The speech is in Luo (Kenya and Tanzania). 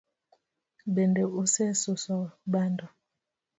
bende usesuso bando?